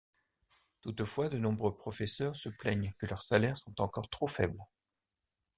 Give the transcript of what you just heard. Toutefois, de nombreux professeurs se plaignent que leurs salaires sont encore trop faibles.